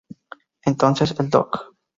Entonces, el Doc.